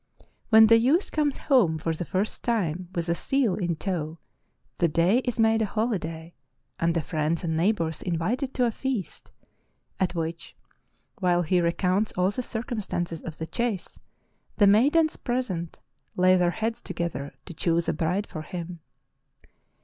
When the youth comes home for the first time with a seal in tow the day is made a holiday and the friends and neighbors invited to a feast, at which, while he re counts all the circumstances of the chase, the maidens present lay their heads together to choose a bride for him.